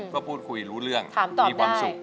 ก็พูดคุยรู้เรื่องมีความสุข